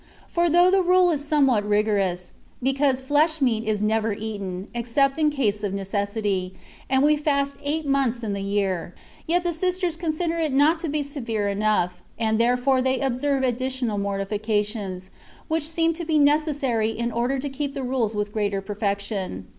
For though the rule is somewhat rigorous, because flesh meat is never eaten, except in case of necessity, and we £Eist eight months in the year ; yet the Sisters consider it not to be severe enough, and therefore they observe addi tional mortifications, which seem to be necessary in order to keep the rules with greater perfection.